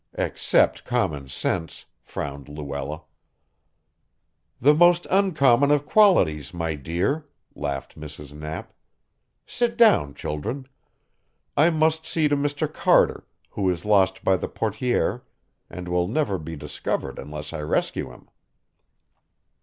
"Except common sense," frowned Luella. "The most uncommon of qualities, my dear," laughed Mrs. Knapp. "Sit down, children. I must see to Mr. Carter, who is lost by the portière and will never be discovered unless I rescue him."